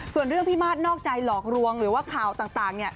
ส่วนเรื่องพิมาสนอกใจหลอกลวงหรือว่าข่าวต่าง